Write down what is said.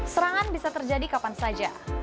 serangan bisa terjadi kapan saja